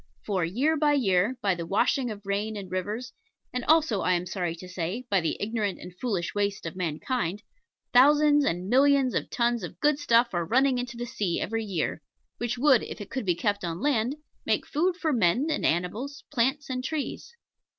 For, year by year by the washing of rain and rivers, and also, I am sorry to say, by the ignorant and foolish waste of mankind thousands and millions of tons of good stuff are running into the sea every year, which would, if it could be kept on land, make food for men and animals, plants and trees.